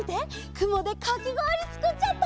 くもでかきごおりつくっちゃった！